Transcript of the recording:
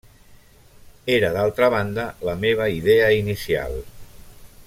Era d'altra banda la meva idea inicial.